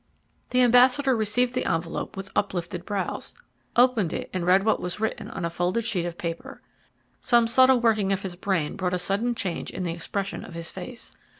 The ambassador received the envelope with uplifted brows, opened it and read what was written on a folded sheet of paper. Some subtle working of his brain brought a sudden change in the expression of his face.